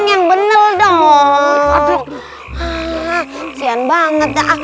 sian banget pak siti